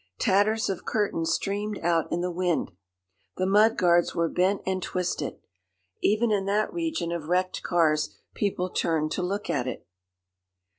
Tatters of curtain streamed out in the wind. The mud guards were bent and twisted. Even in that region of wrecked cars people turned to look at it.